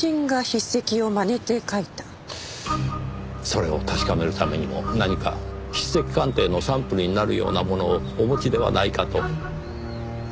それを確かめるためにも何か筆跡鑑定のサンプルになるようなものをお持ちではないかと。